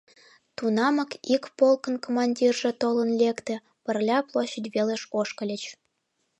Тунамак ик полкын командирже толын лекте, - пырля площадь велыш ошкыльыч.